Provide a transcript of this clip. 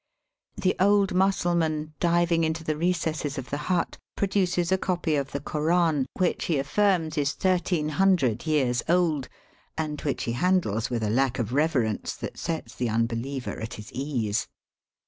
The old Mussulman, diving into the recesses of the hut, produces a copy of the Koran, which he aflEirms is 1300 years old, and which he handles with a lack of reverence that sets the unbeliever at his ease.